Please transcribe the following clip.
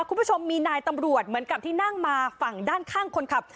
คุณผู้ชมมีนายตำรวจเหมือนกับที่นั่งมาฝั่งด้านข้างคนขับ